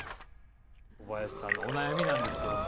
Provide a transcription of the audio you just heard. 小林さんのお悩みなんですけども。